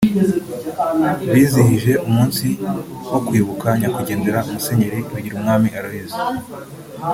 bizihije umunsi wo kwibuka Nyakwigendera Musenyeri Bigirumwami Aloys